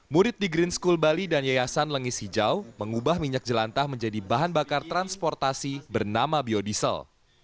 murid di green school bali dan yayasan lengis hijau mengubah minyak jelantah menjadi bahan bakar transportasi bernama biodiesel